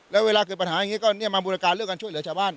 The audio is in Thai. แล้วเวลาเกิดปัญหาอย่างนี้ก็มาบูรการเรื่องการช่วยเหลือชาวบ้าน